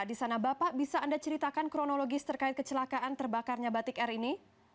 di sana bapak bisa anda ceritakan kronologis terkait kecelakaan terbakarnya batik air ini